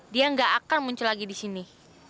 dia nggak akan muncul lagi di sini